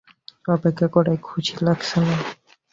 অপেক্ষা করায় খুশি লাগছে না?